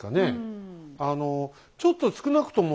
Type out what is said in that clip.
あのちょっと少なくとも